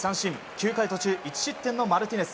９回途中１失点のマルティネス。